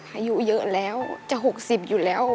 อายุเยอะแล้วจะ๖๐อยู่แล้ว